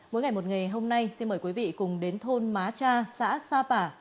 mỗi ngày một nghề hôm nay xin mời quý vị cùng đến thôn má cha xã sapa